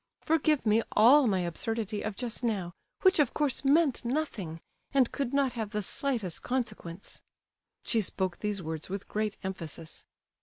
Forgive me all my absurdity of just now, which, of course, meant nothing, and could not have the slightest consequence." She spoke these words with great emphasis.